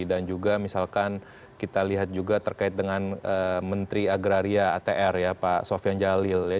juga misalkan kita lihat juga terkait dengan menteri agraria atr ya pak sofian jalil ya